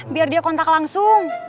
biar dia kontak langsung